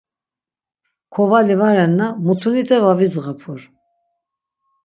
Kovali va renna mutunite va vidzğapur.